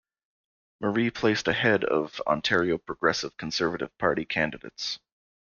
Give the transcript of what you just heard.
Marie placed ahead of Ontario Progressive Conservative Party candidates.